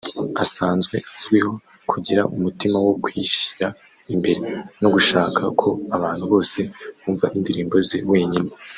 Asanzwe azwiho kugira umutima wo kwishyira imbere no gushaka ko abantu bose bumva indirimbo ze wenyine